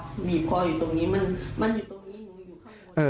มันอยู่ตรงนี้หนูอยู่ข้างบน